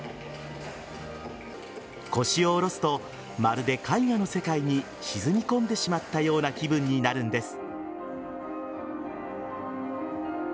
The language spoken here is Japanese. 腰を下ろすとまるで絵画の世界に沈み込んでしまったような気分になるんです。